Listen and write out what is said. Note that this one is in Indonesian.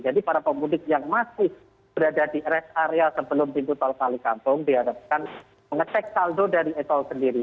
jadi para pemudik yang masih berada di rest area sebelum pintu tol kali kangkung diadakan mengetek saldo dari etol sendiri